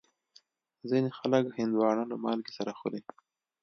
ځینې خلک هندوانه له مالګې سره خوري.